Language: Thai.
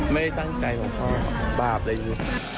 ไม่ได้ตั้งใจเหรอพ่อบาปได้อยู่